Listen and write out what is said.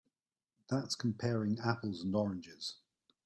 That's comparing apples and oranges.